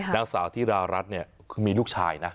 นักสาวที่ราวรัฐนี่คือมีลูกชายนะ